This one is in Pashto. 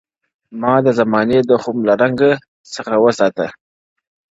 • ما د زمانې د خُم له رنګه څخه وساته -